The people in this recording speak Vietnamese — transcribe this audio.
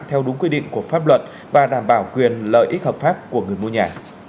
theo đúng quy định của pháp luật và đảm bảo quyền lợi ích hợp pháp của người mua nhà